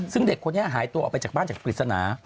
ซึ่งเด็กคนนี้หายตัวออกไปจากบ้านจากปริศนา